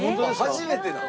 初めてなん？